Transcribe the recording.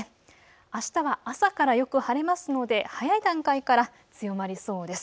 あしたは朝からよく晴れますので早い段階から強まりそうです。